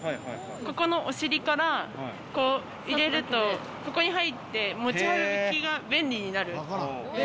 ここのお尻から入れるとここに入って、持ち歩きが便利になる。